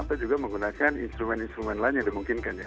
atau juga menggunakan instrumen instrumen lain yang dimungkinkan ya